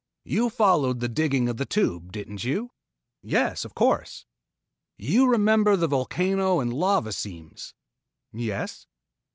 "You followed the digging of the Tube, didn't you?" "Yes, of course." "You remember the volcano and lava seams?" "Yes."